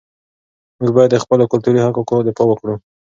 موږ باید د خپلو کلتوري حقوقو دفاع وکړو.